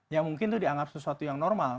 ya mungkin itu dianggap sesuatu yang normal